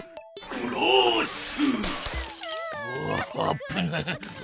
クラッシュ！